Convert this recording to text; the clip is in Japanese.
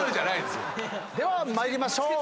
では参りましょう。